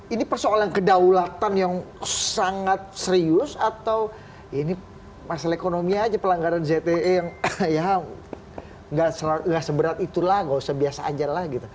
ini persoalan kedaulatan yang sangat serius atau ini masalah ekonomi aja pelanggaran zte yang ya nggak seberat itulah nggak usah biasa aja lah gitu